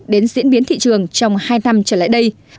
đến diễn biến thị trường trong hai năm trở lại đây